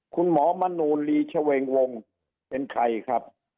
คุณหมอมนูลลีชเวงวงเป็นใครครับ